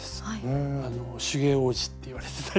あの手芸王子って言われてたり。